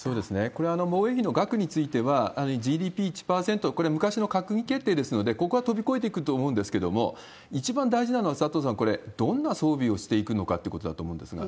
これ、防衛費の額については、ＧＤＰ１％、これ、昔の閣議決定ですので、ここは飛び越えていくと思うんですけど、一番大事なのは、佐藤さん、これ、どんな装備をしていくのかってことだと思うんですが。